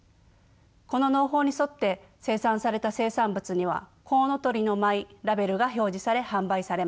この農法に沿って生産された生産物には「コウノトリの舞」ラベルが表示され販売されます。